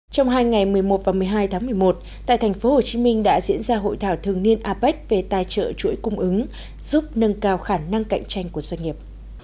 trong hai ngày một mươi một và một mươi hai tháng một mươi một tại thành phố hồ chí minh đã diễn ra hội thảo thường niên apec về tài trợ chuỗi cung ứng giúp nâng cao khả năng cạnh tranh của doanh nghiệp